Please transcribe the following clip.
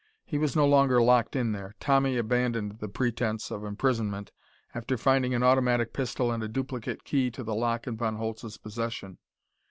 He was no longer locked in there. Tommy abandoned the pretense of imprisonment after finding an automatic pistol and a duplicate key to the lock in Von Holtz's possession.